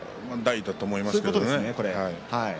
だと思いますけれども。